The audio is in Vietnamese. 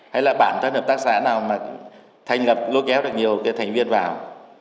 hay là bản thân hợp tác xã nào mà thành lập lôi kéo được nhiều cái thành viên vào